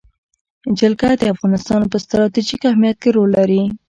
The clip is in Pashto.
جلګه د افغانستان په ستراتیژیک اهمیت کې رول لري.